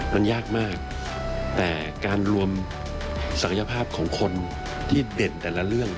มันยากมากแต่การรวมศักยภาพของคนที่เด่นแต่ละเรื่อง